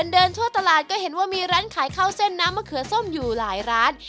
เดินทั่วตลาดก็เห็นว่ามีร้านขายข้าวเส้นน้ำมะเขือส้มอยู่หลายร้าน